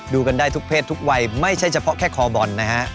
กันได้ทุกเพศทุกวัยไม่ใช่เฉพาะแค่คอบอลนะฮะ